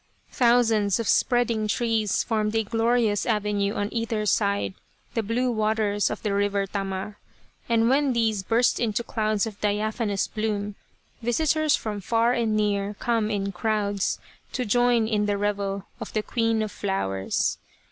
Thousands of spreading trees formed a glorious avenue on either side the blue waters of the River Tama, and when these burst into clouds of diaphanous bloom, Q A Cherry Flower Idyll visitors from far and near came in crowds to join in the revel of the Queen of Flowers.